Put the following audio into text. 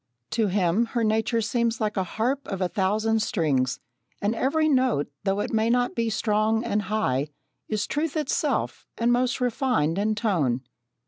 To him her nature seems like a harp of a thousand strings, and every note, though it may not be strong and high, is truth itself, and most refined in tone.